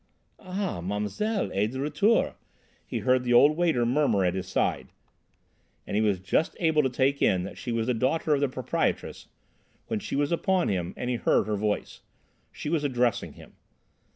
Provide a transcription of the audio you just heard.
"Ah, Ma'mselle est de retour!" he heard the old waiter murmur at his side, and he was just able to take in that she was the daughter of the proprietress, when she was upon him, and he heard her voice. She was addressing him.